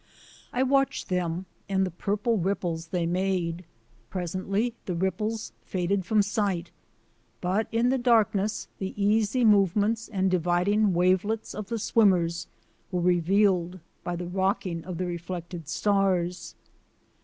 I watched them and the purple ripples they made. Presently the ripples faded from sight, but in the darkness the easy movements and dividing wavelets of the swimmers were revealed by the rocking of the reflected stars.